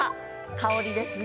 香りですね。